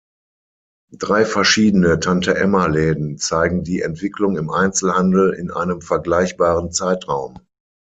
Drei verschiedene Tante-Emma-Läden zeigen die Entwicklung im Einzelhandel in einem vergleichbaren Zeitraum.